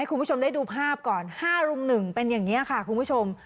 คุณผู้ชมได้ดูภาพก่อน๕รุม๑เป็นอย่างนี้ค่ะคุณผู้ชม